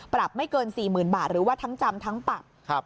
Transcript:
ปรับไม่เกิน๔๐๐๐บาทหรือว่าทั้งจำทั้งปรับ